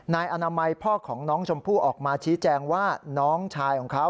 นายอนามัยพ่อของน้องชมพู่ออกมาชี้แจงว่าน้องชายของเขา